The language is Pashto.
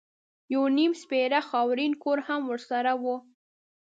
یو نیم سپېره خاورین کور هم ورسره و.